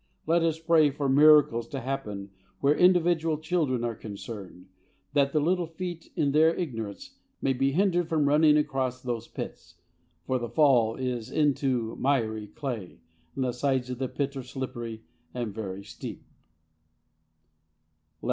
Let us pray for miracles to happen where individual children are concerned, that the little feet in their ignorance may be hindered from running across those pits, for the fall is into miry clay, and the sides of the pit are slippery and very steep.